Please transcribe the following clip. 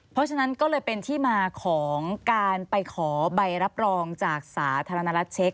เพราะฉะนั้นก็เลยเป็นที่มาของการไปขอใบรับรองจากสาธารณรัฐเช็ค